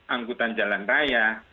angkutan jalan raya